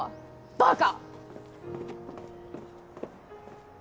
バカ！